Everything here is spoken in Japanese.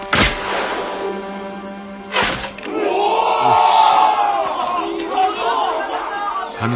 よし。